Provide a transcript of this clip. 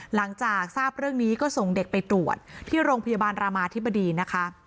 หลังจากทราบเรื่องนี้ก็ส่งเด็กไปตรวจที่โรงพยาบาลรามาธิบดีนะคะ